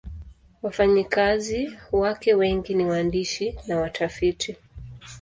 Wafanyakazi wake wengi ni waandishi na watafiti.